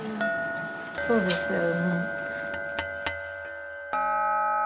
そうですよね。